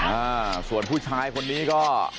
อ่าส่วนผู้ชายคนนี้ก็